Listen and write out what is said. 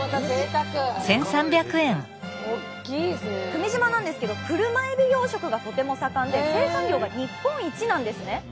久米島なんですけど車えび養殖がとても盛んで生産量が日本一なんですね。